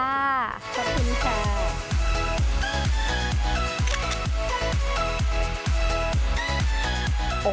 ขอบคุณค่ะ